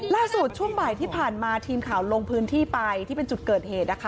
ช่วงบ่ายที่ผ่านมาทีมข่าวลงพื้นที่ไปที่เป็นจุดเกิดเหตุนะคะ